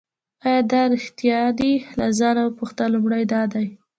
آیا دا ریښتیا دي له ځانه وپوښته لومړی دا دی.